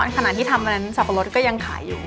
ขณะที่ทำอันนั้นสับปะรดก็ยังขายอยู่